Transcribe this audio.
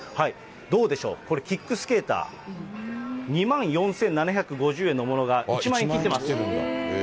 どうでしょう、これ、キックスケーター、２万４７５０円のものが１万円切ってます。